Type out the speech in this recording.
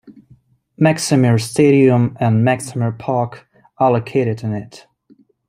Maksimir stadium and Maksimir Park are located in it.